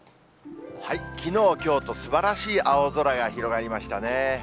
きのう、きょうと、すばらしい青空が広がりましたね。